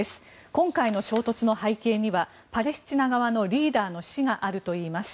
今回の衝突の背景にはパレスチナ側のリーダーの死があるということです。